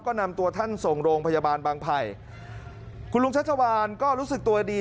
ก็นำตัวท่านส่งโรงพยาบาลบางไผ่คุณลุงชัชวานก็รู้สึกตัวดี